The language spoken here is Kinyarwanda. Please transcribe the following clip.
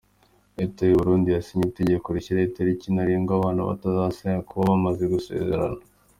Leta y’u Burundi yasinye itegeko rishyiraho italiki ntarengwa ababana batarasezeranye kuba bamaze gusezerana.